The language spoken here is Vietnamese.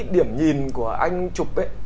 điểm nhìn của anh chụp ấy